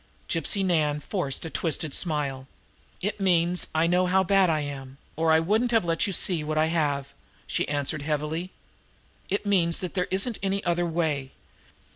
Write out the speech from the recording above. Gypsy Nan forced a twisted smile. "It means I know how bad I am, or I wouldn't have let you see what you have," she answered heavily. "It means that there isn't any other way.